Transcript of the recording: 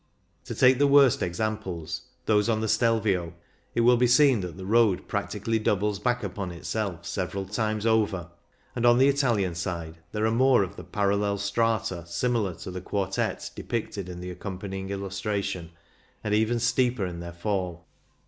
To take the worst examples, those on the Stelvio, it will be seen that the road practi cally doubles back upon itself several timeS|. over, and on the Italian side there are more of the parallel strata similar to the quartette depicted in the accompanying illustration, and*^ even steeper in their fall.